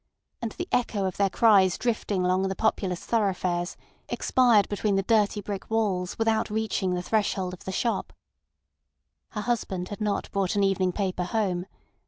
And the echo of their cries drifting along the populous thoroughfares, expired between the dirty brick walls without reaching the threshold of the shop. Her husband had not brought an evening paper home.